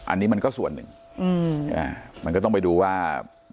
อันนี้มันก็ส่วนหนึ่งมันก็ต้องไปดูว่า